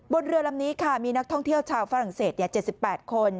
บนเรือลำนี้ค่ะมีนักท่องเที่ยวชาวฝรั่งเศส๗๘คน